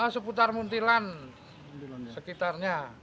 seputar muntilan sekitarnya